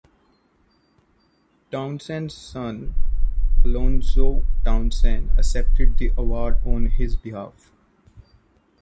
Townsend's son, Alonzo Townsend, accepted the award on his behalf.